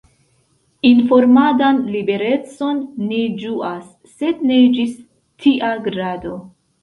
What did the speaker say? Informadan liberecon ni ĝuas, sed ne ĝis tia grado.